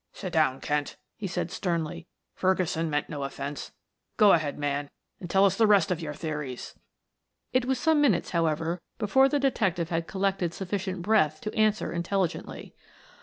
"Sit down, Kent," he said sternly. "Ferguson meant no offense. Go ahead, man, and tell us the rest of your theories." It was some minutes, however, before the detective had collected sufficient breath to answer intelligently.